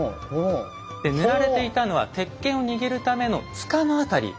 で塗られていたのは鉄剣を握るための柄の辺り。